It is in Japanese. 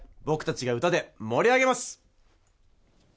僕たちが歌で盛り上げます。